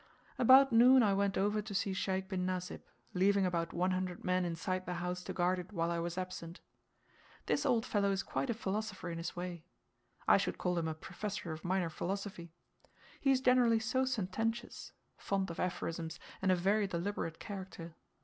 About, noon I went over to see Sheikh bin Nasib, leaving about 100 men inside the house to guard it while I was absent. This old fellow is quite a philosopher in his way. I should call him a professor of minor philosophy. He is generally so sententious fond of aphorisms, and a very deliberate character.